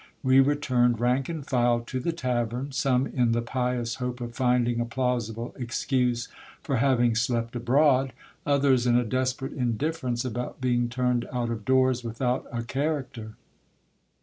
We returned rank and file to the tavern, some in the pious hope of finding a plausible excuse for having slept abroad, others in a desperate indifference about being turned out of doors without a character.